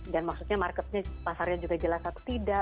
dan maksudnya marketnya pasarnya juga jelas atau tidak